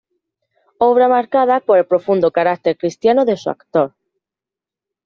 Obra marcada por el profundo carácter cristiano de su autor.